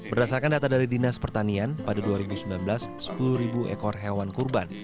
berdasarkan data dari dinas pertanian pada dua ribu sembilan belas sepuluh ekor hewan kurban